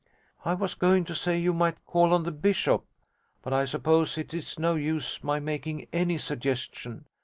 'I was going to say, you might call on the Bishop; but I suppose it is no use my making any suggestion.